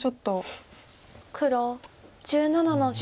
黒１７の十。